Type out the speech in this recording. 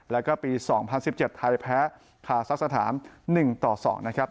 แล้วก็ปี๒๐๑๗ไทยแพ้คาซักสถาน๑ต่อ๒นะครับ